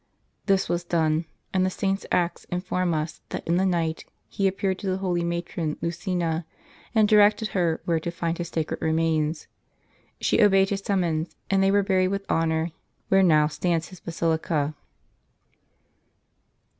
This was done; and the Saint's Acts inform us, that in the night he appeared to the holy matron Lucina, and directed her where to find his sacred remains. She obeyed his summons, and they were buried with honor, where now stands his basilica.